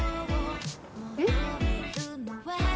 えっ？